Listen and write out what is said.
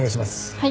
はい。